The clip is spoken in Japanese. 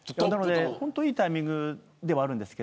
本当にいいタイミングではありますが。